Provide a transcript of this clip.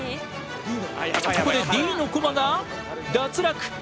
ここでＤのコマが脱落！